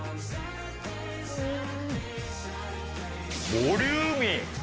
ボリューミー。